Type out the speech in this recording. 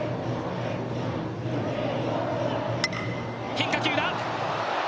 変化球だ！